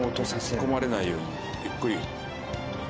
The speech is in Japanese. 突っ込まれないようにゆっくり。